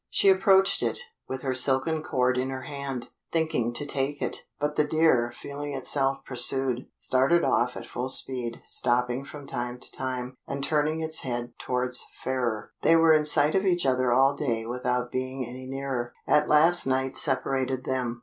She approached it, with her silken cord in her hand, thinking to take it; but the deer, feeling itself pursued, started off at full speed, stopping from time to time, and turning its head towards Fairer. They were in sight of each other all day without being any nearer. At last night separated them.